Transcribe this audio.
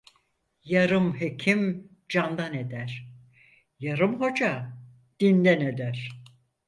Yarım hekim candan eder, yarım hoca dinden eder.